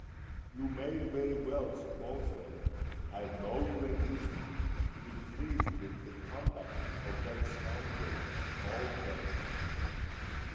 "You may very well suppose that I've no great reason to be pleased with the conduct of that scoundrel Old Death."